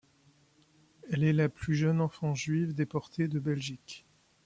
Elle est la plus jeune enfant juive déportée de Belgique.